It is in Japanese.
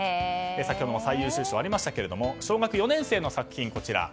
先ほど最優秀賞もありましたが小学４年生の作品がこちら。